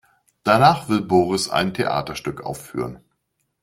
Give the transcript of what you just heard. Danach will Boris ein Theaterstück aufführen.